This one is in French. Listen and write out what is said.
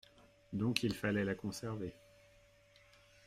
Donc il fallait la conserver.